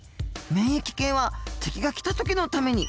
免疫系は敵が来た時のために。